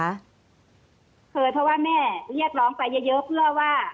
เคยเพราะว่าแม่เรียกร้องไปเยอะเพื่อว่า